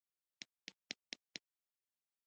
الماري د قران کریم ځای وي